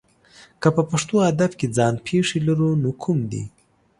که په پښتو ادب کې ځان پېښې لرو نو کوم دي؟